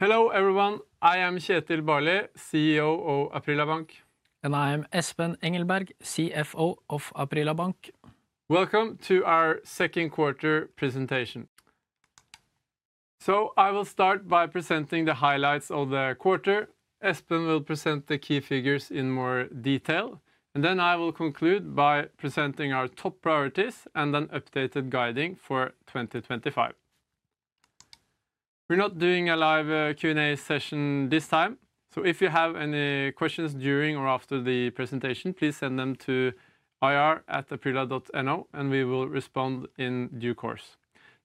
Hello everyone, I am Kjetil Barli, CEO of Aprila Bank. I am Espen Engelberg, CFO of Aprila Bank. Welcome to our second quarter presentation. I will start by presenting the highlights of the quarter. Espen will present the key figures in more detail, and then I will conclude by presenting our top priorities and an updated guidance for 2025. We're not doing a live Q&A session this time, so if you have any questions during or after the presentation, please send them to ir@aprila.no and we will respond in due course.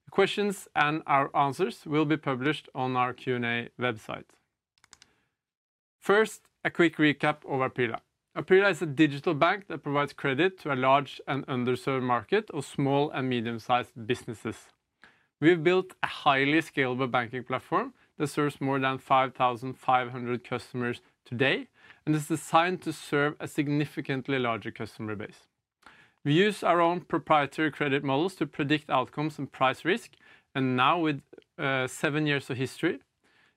The questions and our answers will be published on our Q&A website. First, a quick recap of Aprila. Aprila is a digital bank that provides credit to a large and underserved market of small and medium-sized businesses. We've built a highly scalable banking platform that serves more than 5,500 customers today, and it's designed to serve a significantly larger customer base. We use our own proprietary credit models to predict outcomes and price risk, and now, with seven years of history,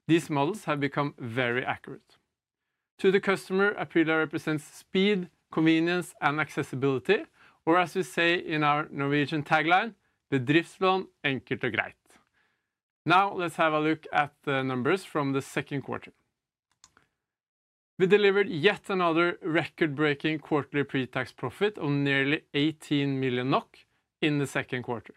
these models have become very accurate. To the customer, Aprila represents speed, convenience, and accessibility, or as we say in our Norwegian tagline, bedriftslån, enkelt og greit. Now, let's have a look at the numbers from the second quarter. We delivered yet another record-breaking quarterly pre-tax profit of nearly 18 million NOK in the second quarter.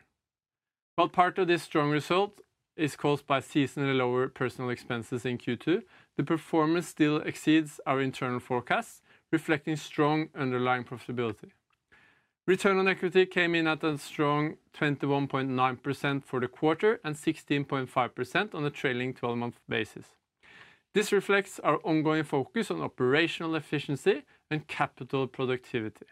While part of this strong result is caused by seasonally lower personnel expenses in Q2, the performance still exceeds our internal forecasts, reflecting strong underlying profitability. Return on equity came in at a strong 21.9% for the quarter and 16.5% on a trailing 12-month basis. This reflects our ongoing focus on operational efficiency and capital productivity.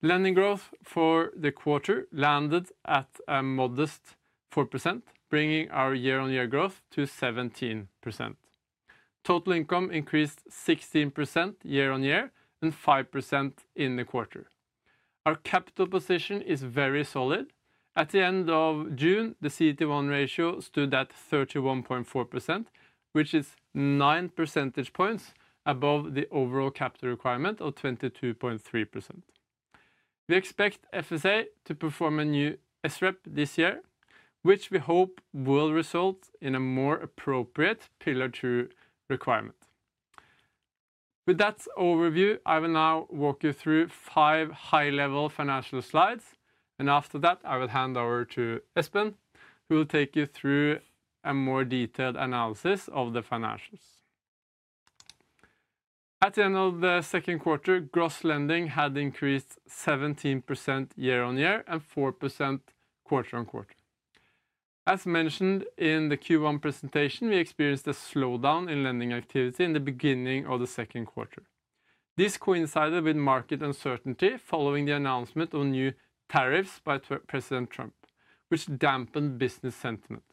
Lending growth for the quarter landed at a modest 4%, bringing our year-on-year growth to 17%. Total income increased 16% year-on-year and 5% in the quarter. Our capital position is very solid. At the end of June, the CET1 ratio stood at 31.4%, which is nine percentage points above the overall capital requirement of 22.3%. We expect FSA to perform a new SREP this year, which we hope will result in a more appropriate Pillar 2 requirement. With that overview, I will now walk you through five high-level financial slides, and after that, I will hand over to Espen, who will take you through a more detailed analysis of the financials. At the end of the second quarter, gross lending had increased 17% year-on-year and 4% quarter-on-quarter. As mentioned in the Q1 presentation, we experienced a slowdown in lending activity in the beginning of the second quarter. This coincided with market uncertainty following the announcement of new tariffs by President Trump, which dampened business sentiment.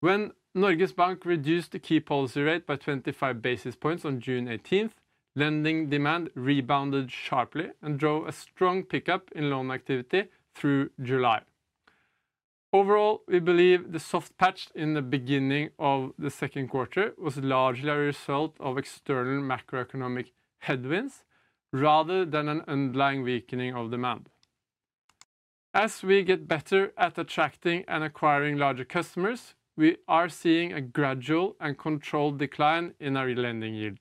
When Norges Bank reduced the key policy rate by 25 basis points on June 18, lending demand rebounded sharply and drove a strong pickup in loan activity through July. Overall, we believe the soft patch in the beginning of the second quarter was largely a result of external macroeconomic headwinds rather than an underlying weakening of demand. As we get better at attracting and acquiring larger customers, we are seeing a gradual and controlled decline in our lending yield.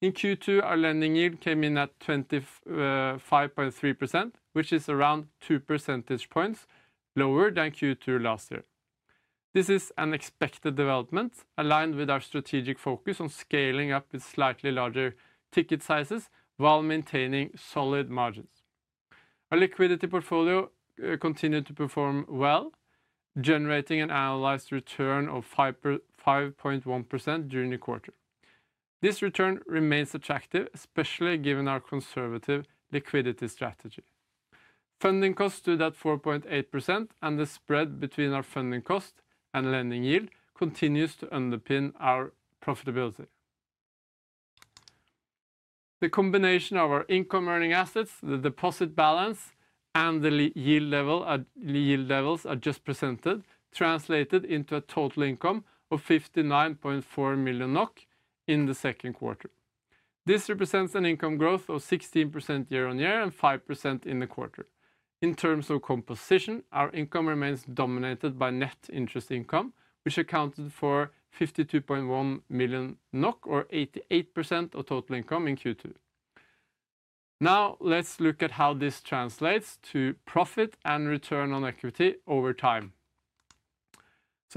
In Q2, our lending yield came in at 25.3%, which is around two percentage points lower than Q2 last year. This is an expected development aligned with our strategic focus on scaling up with slightly larger ticket sizes while maintaining solid margins. Our liquidity portfolio continued to perform well, generating an annualized return of 5.1% during the quarter. This return remains attractive, especially given our conservative liquidity strategy. Funding costs stood at 4.8%, and the spread between our funding cost and lending yield continues to underpin our profitability. The combination of our income-earning assets, the deposit balance, and the yield levels I just presented translated into a total income of 59.4 million NOK in the second quarter. This represents an income growth of 16% year-on-year and 5% in the quarter. In terms of composition, our income remains dominated by net interest income, which accounted for 52.1 million NOK, or 88% of total income in Q2. Now, let's look at how this translates to profit and return on equity over time.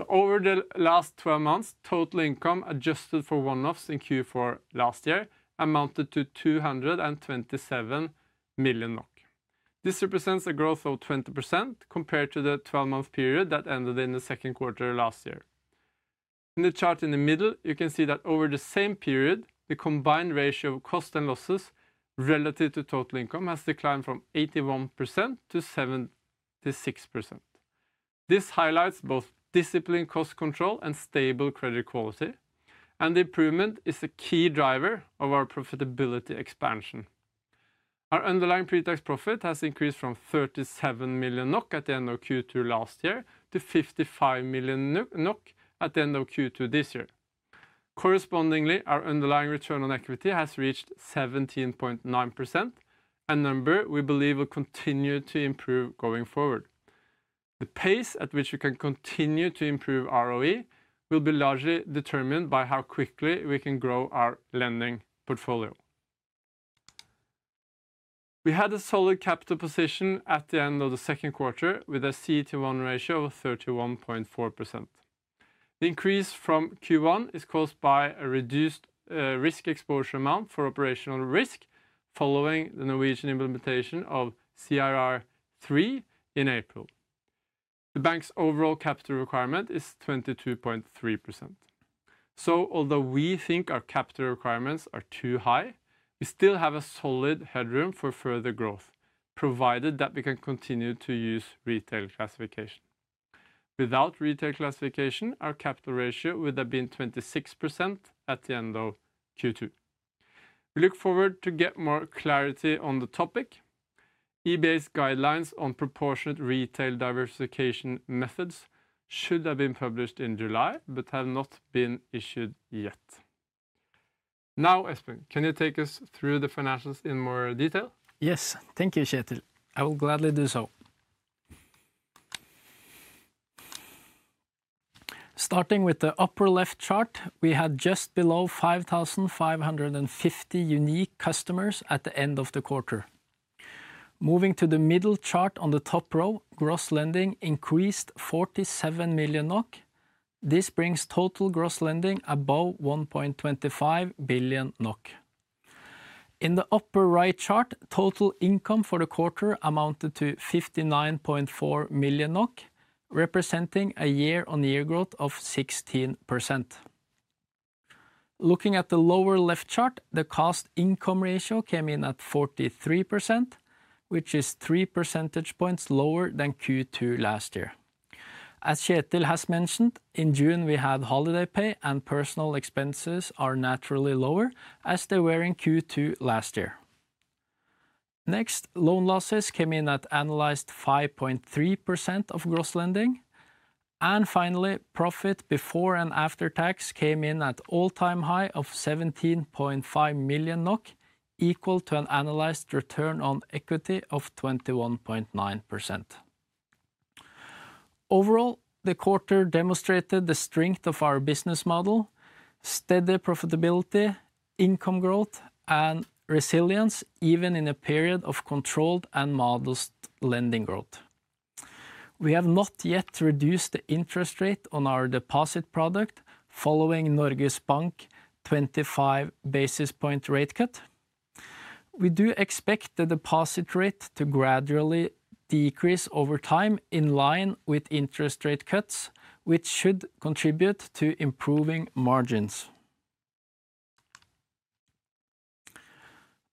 Over the last 12 months, total income adjusted for one-offs in Q4 last year amounted to 227 million NOK. This represents a growth of 20% compared to the 12-month period that ended in the second quarter last year. In the chart in the middle, you can see that over the same period, the combined ratio of costs and losses relative to total income has declined from 81% to 76%. This highlights both disciplined cost control and stable credit quality, and the improvement is a key driver of our profitability expansion. Our underlying pre-tax profit has increased from 37 million NOK at the end of Q2 last year to 55 million NOK at the end of Q2 this year. Correspondingly, our underlying return on equity has reached 17.9%, a number we believe will continue to improve going forward. The pace at which we can continue to improve ROE will be largely determined by how quickly we can grow our lending portfolio. We had a solid capital position at the end of the second quarter with a CET1 ratio of 31.4%. The increase from Q1 is caused by a reduced risk exposure amount for operational risk following the Norwegian implementation of CIR3 in April. The bank's overall capital requirement is 22.3%. Although we think our capital requirements are too high, we still have a solid headroom for further growth, provided that we can continue to use retail classification. Without retail classification, our capital ratio would have been 26% at the end of Q2. We look forward to getting more clarity on the topic. EBAS guidelines on proportionate retail diversification methods should have been published in July but have not been issued yet. Now, Espen, can you take us through the financials in more detail? Yes, thank you, Kjetil. I will gladly do so. Starting with the upper left chart, we had just below 5,550 unique customers at the end of the quarter. Moving to the middle chart on the top row, gross lending increased 47 million NOK. This brings total gross lending above 1.25 billion NOK. In the upper right chart, total income for the quarter amounted to 59.4 million NOK, representing a year-on-year growth of 16%. Looking at the lower left chart, the cost-income ratio came in at 43%, which is three percentage points lower than Q2 last year. As Kjetil has mentioned, in June, we had holiday pay, and personnel expenses are naturally lower as they were in Q2 last year. Next, loan losses came in at annualized 5.3% of gross lending, and finally, profit before and after tax came in at an all-time high of 17.5 million NOK, equal to an annualized return on equity of 21.9%. Overall, the quarter demonstrated the strength of our business model: steady profitability, income growth, and resilience, even in a period of controlled and modest lending growth. We have not yet reduced the interest rate on our deposit product following Norges Bank's 25 basis point rate cut. We do expect the deposit rate to gradually decrease over time in line with interest rate cuts, which should contribute to improving margins.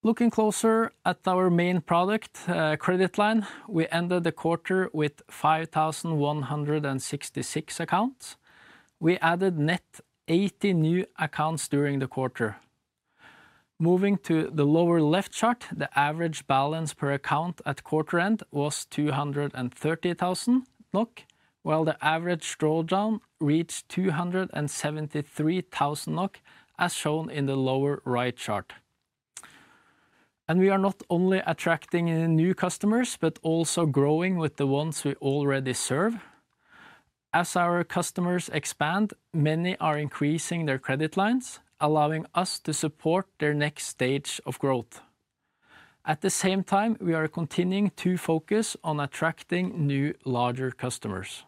Looking closer at our main product, CreditLine, we ended the quarter with 5,166 accounts. We added net 80 new accounts during the quarter. Moving to the lower left chart, the average balance per account at quarter end was 230,000 NOK, while the average drawdown reached 273,000 NOK, as shown in the lower right chart. We are not only attracting new customers but also growing with the ones we already serve. As our customers expand, many are increasing their credit lines, allowing us to support their next stage of growth. At the same time, we are continuing to focus on attracting new, larger customers.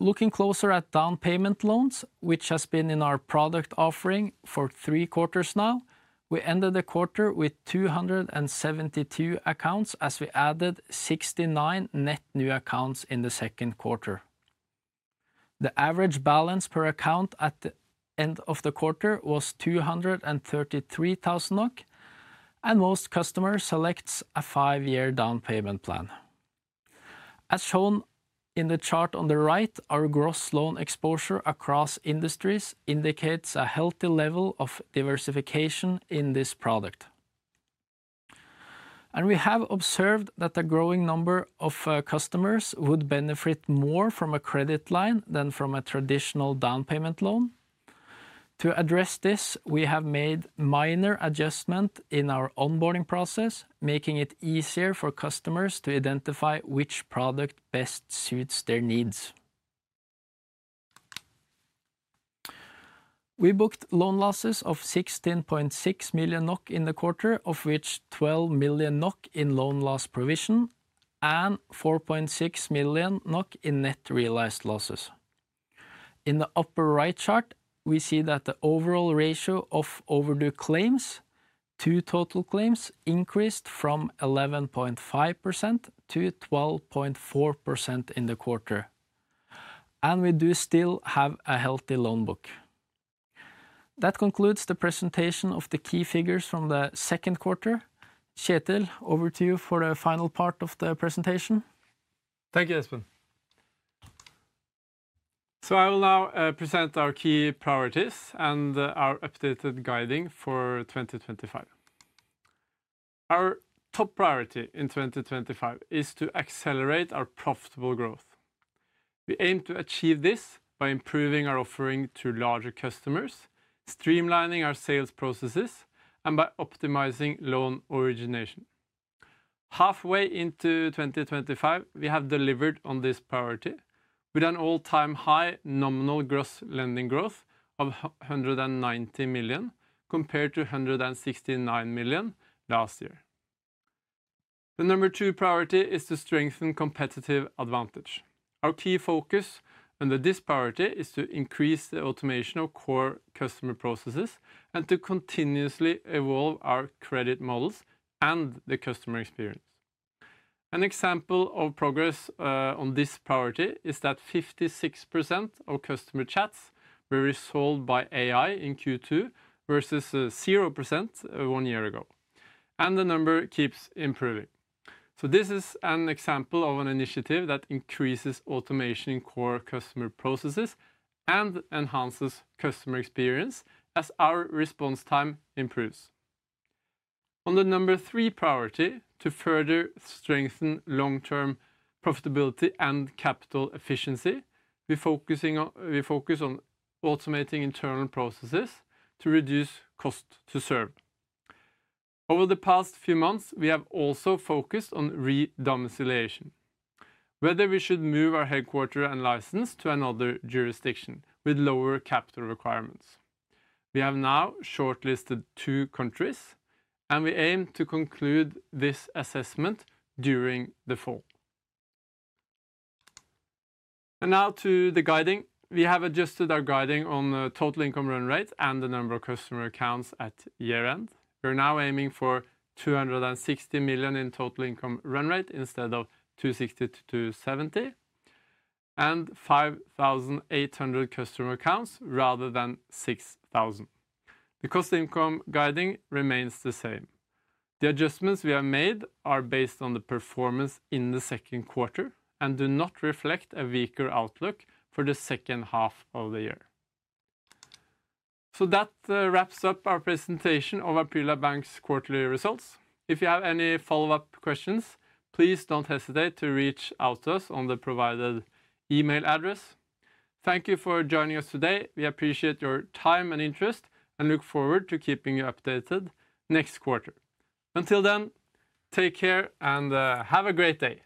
Looking closer at down payment loans, which has been in our product offering for three quarters now, we ended the quarter with 272 accounts as we added 69 net new accounts in the second quarter. The average balance per account at the end of the quarter was 233,000 NOK, and most customers select a five-year down payment plan. As shown in the chart on the right, our gross loan exposure across industries indicates a healthy level of diversification in this product. We have observed that a growing number of customers would benefit more from a CreditLine than from a traditional down payment loan. To address this, we have made minor adjustments in our onboarding process, making it easier for customers to identify which product best suits their needs. We booked loan losses of 16.6 million NOK in the quarter, of which 12 million NOK in loan loss provision and 4.6 million NOK in net realized losses. In the upper right chart, we see that the overall ratio of overdue claims to total claims increased from 11.5% to 12.4% in the quarter. We do still have a healthy loan book. That concludes the presentation of the key figures from the second quarter. Kjetil, over to you for the final part of the presentation. Thank you, Espen. I will now present our key priorities and our updated guidance for 2025. Our top priority in 2025 is to accelerate our profitable growth. We aim to achieve this by improving our offering to larger customers, streamlining our sales processes, and by optimizing loan origination. Halfway into 2025, we have delivered on this priority with an all-time high nominal gross lending growth of 190 million compared to 169 million last year. The number two priority is to strengthen competitive advantage. Our key focus under this priority is to increase the automation of core customer processes and to continuously evolve our credit models and the customer experience. An example of progress on this priority is that 56% of customer chats were resolved by AI in Q2 versus 0% one year ago. The number keeps improving. This is an example of an initiative that increases automation in core customer processes and enhances customer experience as our response time improves. On the number three priority, to further strengthen long-term profitability and capital efficiency, we focus on automating internal processes to reduce costs to serve. Over the past few months, we have also focused on re-domiciliation, whether we should move our headquarters and license to another jurisdiction with lower capital requirements. We have now shortlisted two countries, and we aim to conclude this assessment during the fall. Now to the guidance. We have adjusted our guidance on the total income run rate and the number of customer accounts at year-end. We're now aiming for 260 million in total income run rate instead of 260-270 million, and 5,800 customer accounts rather than 6,000. The cost-income guidance remains the same. The adjustments we have made are based on the performance in the second quarter and do not reflect a weaker outlook for the second half of the year. That wraps up our presentation of Aprila Bank's quarterly results. If you have any follow-up questions, please don't hesitate to reach out to us on the provided email address. Thank you for joining us today. We appreciate your time and interest and look forward to keeping you updated next quarter. Until then, take care and have a great day.